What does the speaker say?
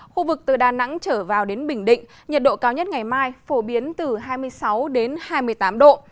khu vực từ đà nẵng trở vào đến bình định nhiệt độ cao nhất ngày mai phổ biến từ hai mươi sáu đến hai mươi tám độ